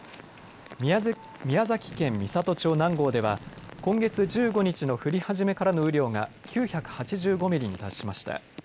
宮崎県美郷町南郷では今月１５日の降り始めからの雨量が９８５ミリに達しました。